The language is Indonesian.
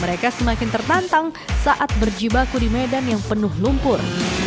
mereka semakin tertantang saat berjibaku di medan yang penuh lumpur